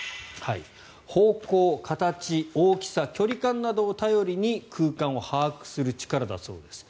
方向、形、大きさ距離感などを頼りに空間を把握する力だそうです。